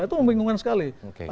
itu membingungkan sekali